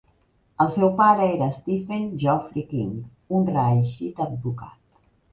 El seu pare era Stephen Geoffrey King, un reeixit advocat.